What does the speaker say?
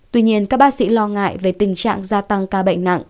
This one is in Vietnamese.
tuy nhiên các bác sĩ lo ngại về tình trạng gia tăng ca bệnh nặng